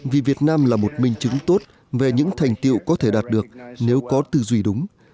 vì việt nam là một minh chứng tốt về những thành tiệu có thể đạt được nếu có tư duy đúng